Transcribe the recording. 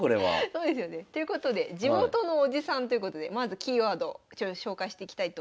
そうですよね。ということで「地元のおじさん」ということでまずキーワード紹介していきたいと思います。